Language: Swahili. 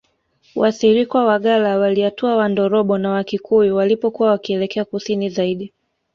Wasirikwa Wagalla Waliatua Wandorobo na Wakikuyu walipokuwa wakielekea Kusini zaidi